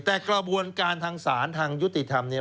แต่กระบวนการทางศาลทางยุติธรรมเนี่ย